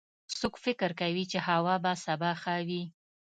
څوک فکر کوي چې هوا به سبا ښه وي